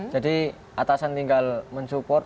jadi atasan tinggal mensupport